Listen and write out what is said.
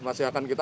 masih akan kita